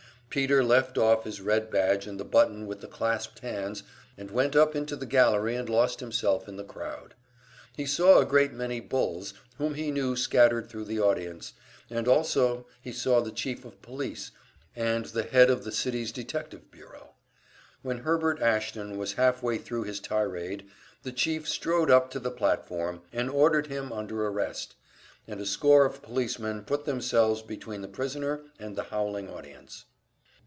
Peter left off his red badge, and the button with the clasped hands and went up into the gallery and lost himself in the crowd. He saw a great many "bulls" whom he knew scattered thru the audience, and also he saw the Chief of Police and the head of the city's detective bureau. When Herbert Ashton was half way thru his tirade, the Chief strode up to the platform and ordered him under arrest, and a score of policemen put themselves between the prisoner and the howling audience.